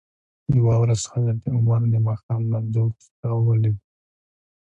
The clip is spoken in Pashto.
یوه ورځ حضرت عمر دماښام لمانځه وروسته ولید ل.